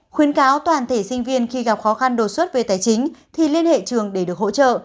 khuyên cáo toàn thể sinh viên khi gặp khó khăn đột xuất về tài chính thì liên hệ trường để được hỗ trợ